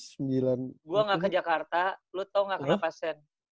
gue gak ke jakarta lo tau gak kenapa sen